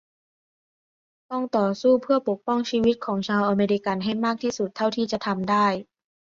ต้องต่อสู้เพื่อปกป้องชีวิตของชาวอเมริกันให้มากที่สุดเท่าที่จะทำได้